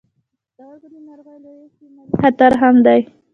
د پښتورګو د ناروغیو لوی احتمالي خطر هم دی.